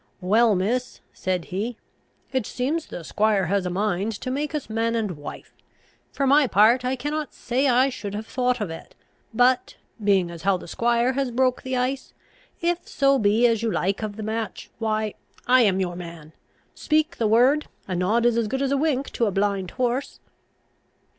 "Well, miss," said he, "it seems the squire has a mind to make us man and wife. For my part, I cannot say I should have thought of it. But, being as how the squire has broke the ice, if so be as you like of the match, why I am your man. Speak the word; a nod is as good as a wink to a blind horse."